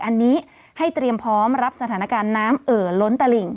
อันนี้ให้เตรียมพร้อมรับสถานการณ์น้ำเอ่อล้นตลิ่ง